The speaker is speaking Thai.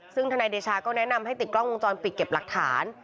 ซึ่งธนายเดชาก็แนะนำให้ติดกล้องวงจรปิดเก็บหลักฐาน